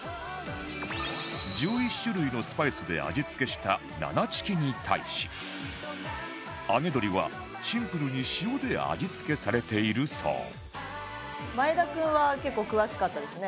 １１種類のスパイスで味付けしたななチキに対し揚げ鶏はシンプルに塩で味付けされているそう前田君は結構詳しかったですね。